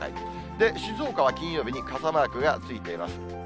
で、静岡は金曜日に傘マークがついています。